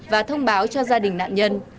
và thông báo cho gia đình nạn nhân